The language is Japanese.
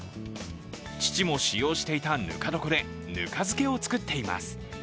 父も使用していたぬか床でぬか漬けを作っています。